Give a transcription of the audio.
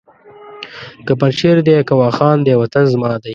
که پنجشېر دی که واخان دی وطن زما دی!